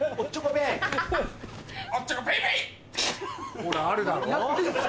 ほらあるだろ？